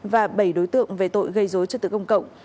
và bảy đối tượng về tội gây dối trật tự công cộng